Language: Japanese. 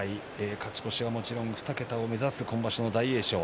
勝ち越し、もちろん２桁を目指す大栄翔。